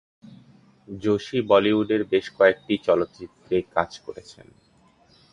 জোশী বলিউডের বেশ কয়েকটি চলচ্চিত্রে কাজ করেছেন।